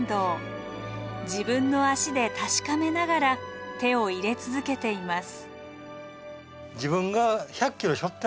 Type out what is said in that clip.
自分の足で確かめながら手を入れ続けています。